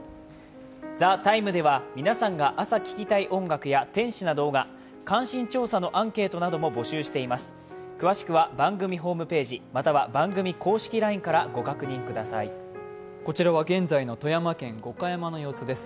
「ＴＨＥＴＩＭＥ，」では皆さんが朝聴きたい音楽や天使な動画、関心調査のアンケートなども募集しています。